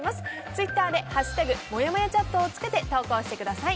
ツイッターで「＃もやもやチャット」をつけて投稿してください。